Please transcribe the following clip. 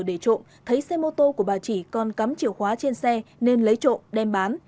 để trộm thấy xe mô tô của bà chỉ còn cắm chìa khóa trên xe nên lấy trộm đem bán